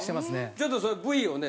ちょっとそのＶをね